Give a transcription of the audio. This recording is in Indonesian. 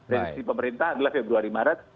reaksi pemerintah adalah februari maret